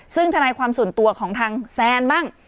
ซึ่งทนายความส่วนตัวของทางแซนบ้าง